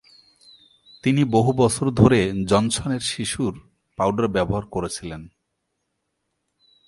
তিনি বহু বছর ধরে জনসনের শিশুর পাউডার ব্যবহার করেছিলেন।